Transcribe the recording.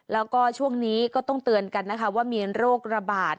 แล้วก็ช่วงนี้ก็ต้องเตือนกันนะคะว่ามีโรคระบาด